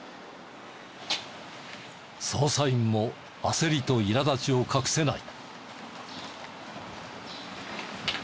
捜査員も焦りといら立ちを隠せない。